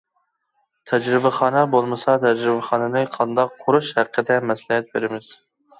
تەجرىبىخانا بولمىسا تەجرىبىخانىنى قانداق قۇرۇش ھەققىدە مەسلىھەت بېرىمىز.